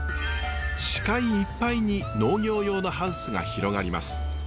視界いっぱいに農業用のハウスが広がります。